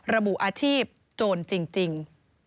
ระบุอาชีพโจรจริง